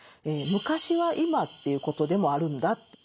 「昔は今」ということでもあるんだと。